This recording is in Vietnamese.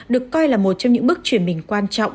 được coi là một trong những bước chuyển mình quan trọng